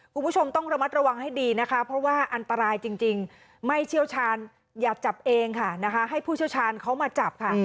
คุณผู้ชมต้องระมัดระวังให้ดีนะคะเพราะว่าอันตรายจริงไม่เชี่ยวชาญอย่าจับเองค่ะนะคะให้ผู้เชี่ยวชาญเขามาจับค่ะ